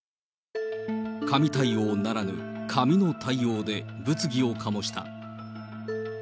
神対応ならぬ、紙の対応で物議を醸した。